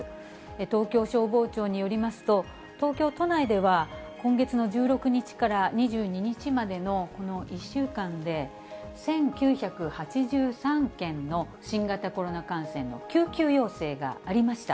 東京消防庁によりますと、東京都内では、今月の１６日から２２日までの１週間で、１９８３件の新型コロナ感染の救急要請がありました。